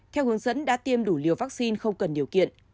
theo hướng dẫn đã tiêm đủ liều vaccine không cần điều kiện